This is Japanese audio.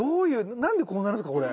なんでこうなるんすかこれ？